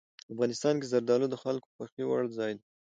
افغانستان کې زردالو د خلکو د خوښې وړ ځای دی.